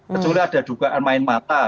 kecuali ada dugaan main mata